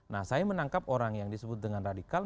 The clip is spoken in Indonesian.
nah saya menangkap orang yang disebut dengan radikal